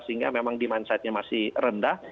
sehingga memang demand side nya masih rendah